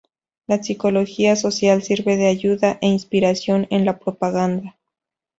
La Psicología Social sirve de ayuda e inspiración de la propaganda.